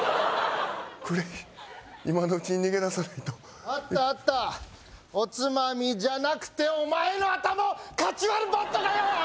クレイ今のうちに逃げ出さないとあったあったおつまみじゃなくてお前の頭をかち割るバットだよー！